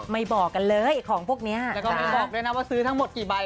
บอกกันเลยของพวกนี้แล้วก็ไม่บอกด้วยนะว่าซื้อทั้งหมดกี่ใบ